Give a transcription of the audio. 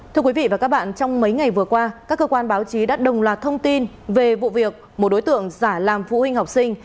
thưa quý vị và các bạn trong mấy ngày vừa qua các cơ quan báo chí đã đồng loạt thông tin về vụ việc một đối tượng giả làm phụ huynh học sinh